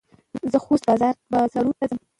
زه خوست بازور ته څم.